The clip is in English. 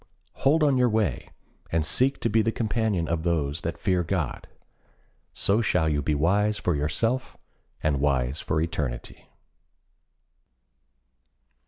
Hold on your way, and seek to be the companion of those that fear God. So shall you be wise for yourself and wise for eternity.